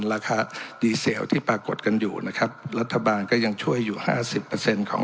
ราคาดีเซลที่ปรากฏกันอยู่นะครับรัฐบาลก็ยังช่วยอยู่ห้าสิบเปอร์เซ็นต์ของ